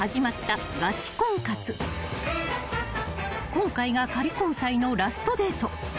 ［今回が仮交際のラストデート］